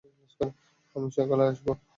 আমি সকালে আসবো।